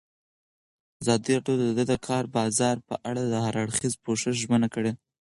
ازادي راډیو د د کار بازار په اړه د هر اړخیز پوښښ ژمنه کړې.